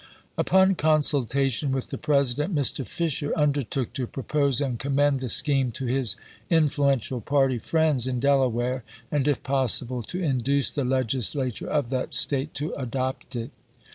Upon ms. consultation with the President, Mr. Fisher under took to propose and commend the scheme to his influential party friends in Delaware, and if pos sible to induce the Legislature of that State to adopt it.